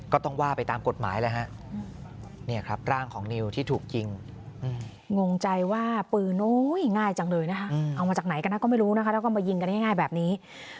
แล้วก็มายิงกันง่ายแบบนี้